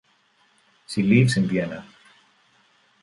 She lives in Vienna.